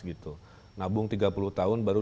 gitu nabung tiga puluh tahun baru